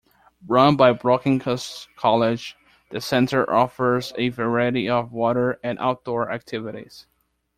Run by Brockenhurst College, the centre offers a variety of water and outdoor activities.